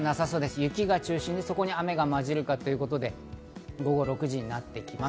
雪が中心で雨がまじるかということで午後６時になってきます。